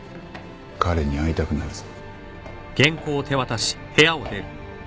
彼に会いたくなるぞ。